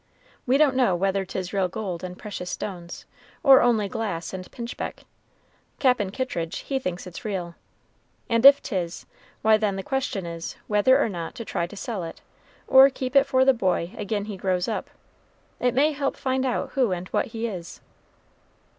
We don't know whether 'tis real gold and precious stones, or only glass and pinchbeck. Cap'n Kittridge he thinks it's real; and if 'tis, why then the question is, whether or no to try to sell it, or keep it for the boy agin he grows up. It may help find out who and what he is."